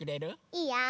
いいよ。